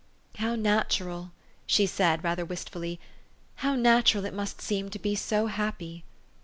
"How natural," she said rather wistfully, "how natural it must seem to be so happy!